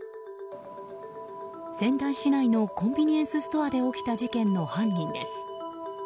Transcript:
仙台市内のコンビニエンスストアで起きた事件の犯人です。